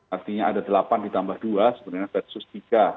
artinya ada delapan ditambah dua sebenarnya versus tiga